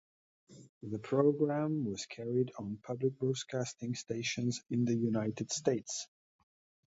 The program was carried on public broadcasting stations in the United States.